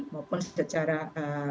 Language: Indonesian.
maupun secara ee